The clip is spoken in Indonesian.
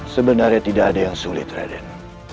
sebenarnya tidak ada yang sulit raden